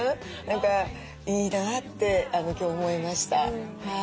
何かいいなって今日思いました。